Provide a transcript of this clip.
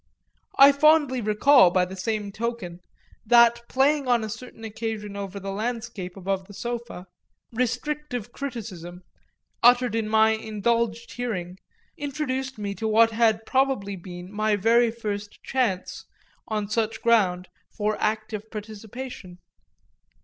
I fondly recall, by the same token, that playing on a certain occasion over the landscape above the sofa, restrictive criticism, uttered in my indulged hearing, introduced me to what had probably been my very first chance, on such ground, for active participation.